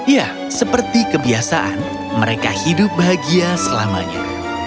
ya seperti kebiasaan mereka hidup bahagia selamanya